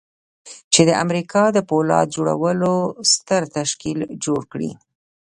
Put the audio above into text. چې د امريکا د پولاد جوړولو ستر تشکيل جوړ کړي.